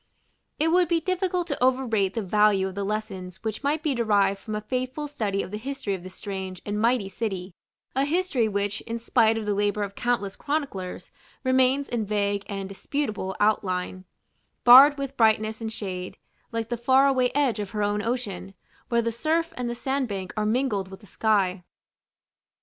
§ II. It would be difficult to overrate the value of the lessons which might be derived from a faithful study of the history of this strange and mighty city: a history which, in spite of the labor of countless chroniclers, remains in vague and disputable outline, barred with brightness and shade, like the far away edge of her own ocean, where the surf and the sand bank are mingled with the sky.